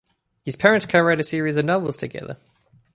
His parents cowrote a series of novels together.